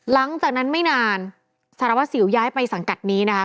หลังจากนั้นไม่นานสารวัสสิวย้ายไปสังกัดนี้นะคะ